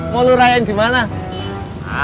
mau lu rayain dimana